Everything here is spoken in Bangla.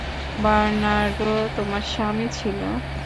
বার্নার্ডো তোমার স্বামী ছিল?